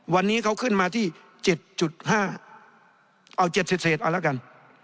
วันนี้เขาขึ้นมาที่๗๕เอา๗เศษเอาละกัน